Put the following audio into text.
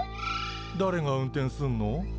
だれが運転すんの？